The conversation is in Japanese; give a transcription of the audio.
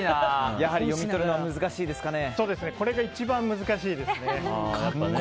やはり読み取るのはこれが一番難しいですね。